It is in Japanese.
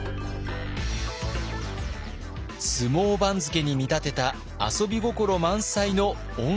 相撲番付に見立てた遊び心満載の温泉番付。